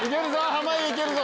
濱家行けるぞ！